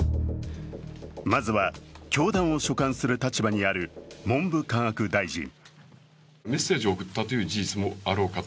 まずは教団を所管する立場にある文部科学大臣。